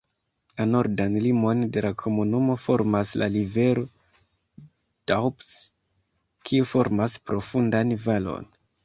La nordan limon de la komunumo formas la rivero Doubs, kiu formas profundan valon.